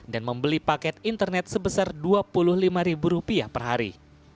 dan membeli paket internet sebesar rp dua puluh lima per hari